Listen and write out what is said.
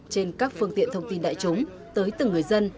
trên các phương tiện thông tin đại chúng tới từng người dân